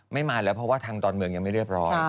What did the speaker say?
มาแล้วเพราะว่าทางดอนเมืองยังไม่เรียบร้อย